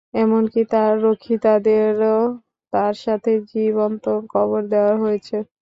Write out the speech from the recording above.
এমনকি তার রক্ষিতাদেরও তার সাথে জীবন্ত কবর দেওয়া হয়েছে!